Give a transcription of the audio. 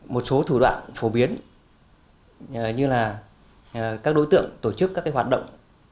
một số thủ đoạn phổ biến như là các đối tượng tổ chức các hoạt động